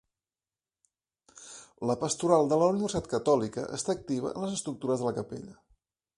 La pastoral de la universitat catòlica està activa en les estructures de la capella.